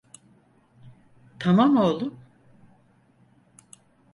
Tamam oğlum.